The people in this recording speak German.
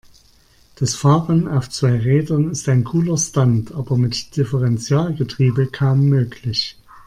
Das Fahren auf zwei Rädern ist ein cooler Stunt, aber mit Differentialgetriebe kaum möglich.